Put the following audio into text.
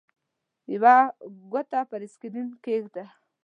یوه ګوته پر سکرین کېږده.